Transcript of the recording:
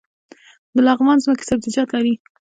د لغمان ځمکې سبزیجات لري